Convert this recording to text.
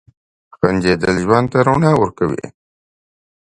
• خندېدل ژوند ته رڼا ورکوي.